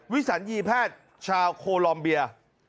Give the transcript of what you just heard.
สัญญีแพทย์ชาวโคลอมเบีย